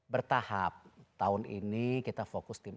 bertahap tahun ini kita fokus tim